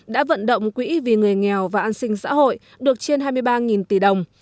đã vận động quỹ vì người nghèo và an sinh xã hội được trên hai mươi ba tỷ đồng